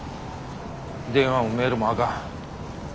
電話もメールもあかん。